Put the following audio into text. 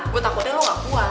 gue takutnya lo ga puas